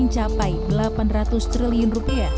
mencapai rp delapan ratus triliun